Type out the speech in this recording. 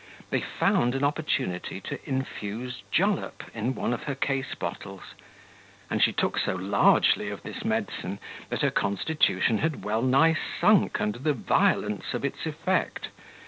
They found an opportunity to infuse jalap in one of her case bottles; and she took so largely of this medicine, that her constitution had well nigh sunk under the violence of its effect.